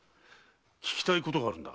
訊きたいことがあるんだ。